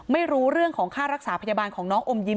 ไม่รู้เรื่องของค่ารักษาพยาบาลของน้องอมยิ้ม